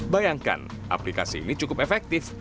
bayangkan aplikasi ini cukup efektif